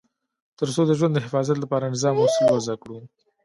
تر څو د ژوند د حفاظت لپاره نظام او اصول وضع کړو.